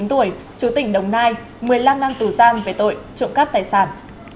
trú tỉnh đồng nai một mươi năm năm tù giam về tội trộm cắt tài sản